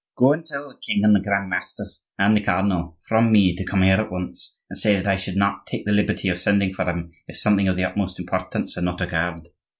"Go and tell the king and the grand master and the cardinal, from me, to come here at once, and say that I should not take the liberty of sending for them if something of the utmost importance had not occurred.